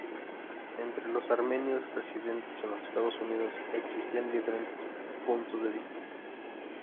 Entre los armenios residentes en los Estados Unidos existían diferentes puntos de vista.